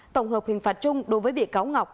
tổng hợp hình phạt chung đối với bị cáo ngọc